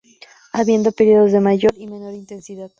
Habiendo períodos de mayor y menor intensidad.